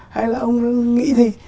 hay là ông nghĩ gì